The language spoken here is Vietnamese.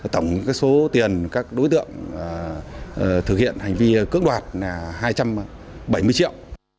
tổng số tiền các đối tượng thực hiện hành vi cưỡng đoạt là hai trăm bảy mươi triệu